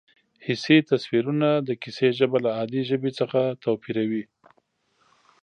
حسي تصویرونه د کیسې ژبه له عادي ژبې څخه توپیروي